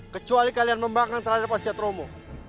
kecuali kalian membangun terhadap hasil romo